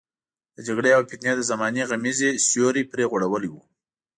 د جګړې او فتنې د زمانې غمیزې سیوری پرې غوړولی وو.